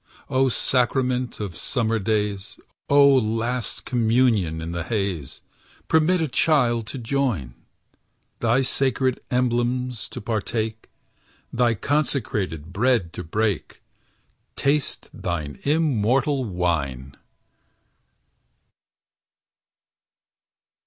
Oh, sacrament of summer days, Oh, last communion in the haze, Permit a child to join, Thy sacred emblems to partake, Thy consecrated bread to break, Taste thine immortal wine!